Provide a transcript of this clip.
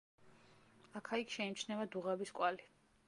აქა-იქ შეიმჩნევა დუღაბის კვალი.